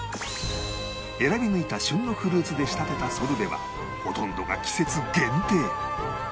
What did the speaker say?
選び抜いた旬のフルーツで仕立てたソルベはほとんどが季節限定